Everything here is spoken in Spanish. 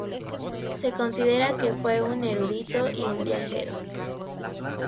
Se considera que fue un erudito y un viajero.